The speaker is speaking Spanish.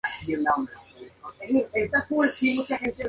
Susan es descrita como una dama gentil con cabello negro cayendo a sus pies.